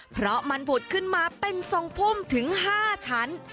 เพราะมันบุดขึ้นมาเป็นทรงพุ่มถึง๕ชั้น